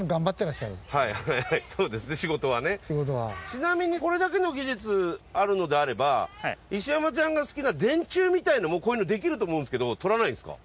ちなみにこれだけの技術あるのであれば石山ちゃんが好きな電柱みたいなのもこういうのできると思うんですけど撮らないんですか？